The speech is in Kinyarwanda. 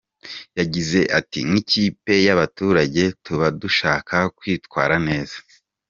Yagize ati "Nk’ikipe y’abaturage tuba dushaka kwitwara neza.